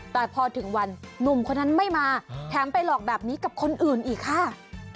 แต่พอถึงวันหนุ่มคนนั้นไม่มาแถมไปหลอกแบบนี้กับคนอื่นอีกค่ะ